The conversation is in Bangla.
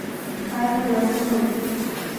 আর আমি ব্যর্থ হয়েছি।